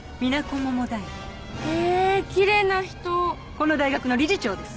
この大学の理事長です。